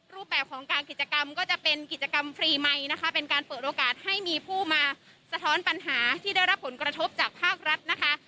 รูปแบบของการกิจกรรมก็จะเป็นกิจกรรมฟรีไมค์นะคะเป็นการเปิดโอกาสให้มีผู้มาสะท้อนปัญหาที่ได้รับผลกระทบจากภาครัฐนะคะ